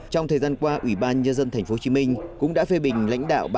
trong thời gian qua ủy ban nhân dân thành phố hồ chí minh cũng đã phê bình lãnh đạo